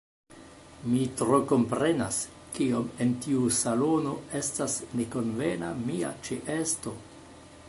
Mi tro komprenas, kiom en tiu salono estas nekonvena mia ĉeesto.